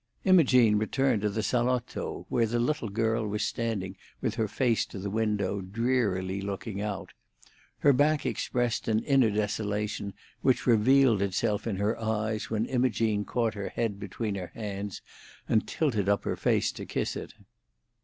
Imogene returned to the salotto, where the little girl was standing with her face to the window, drearily looking out; her back expressed an inner desolation which revealed itself in her eyes when Imogene caught her head between her hands, and tilted up her face to kiss it.